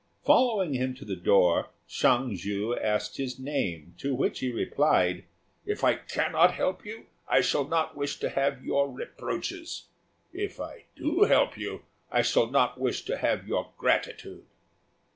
Following him to the door, Hsiang ju asked his name, to which he replied, "If I cannot help you I shall not wish to have your reproaches; if I do help you, I shall not wish to have your gratitude."